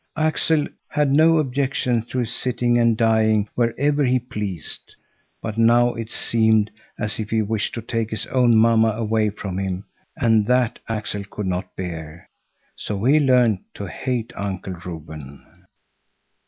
Axel had no objection to his sitting and dying wherever he pleased, but now it seemed as if he wished to take his own mamma away from him, and that Axel could not bear. So he learned to hate Uncle Reuben.